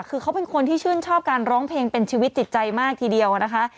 คือเขาเป็นคนที่ชื่นชอบการร้องเพลงเป็นชีวิตจิตใจมากทีเดียวนะคะ